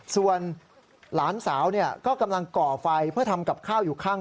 ส่วนหลานสาวก็กำลังก่อไฟเพื่อทำกับข้าวอยู่ข้าง